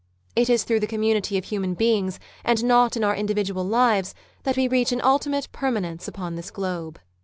It is through the community of human beings, and not in our indi vidual lives, that we reach an ultimate permanence upon this globe.